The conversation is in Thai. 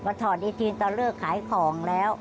ถอดดีจีนตอนเลิกขายของแล้ว